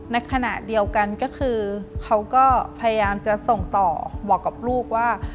ในขณะเดียวกันก็คือเขาก็พยายามจะส่งต่อบอกกับลูกว่า